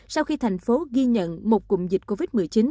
sau khi thành phố ghi nhận một cụm dịch covid một mươi chín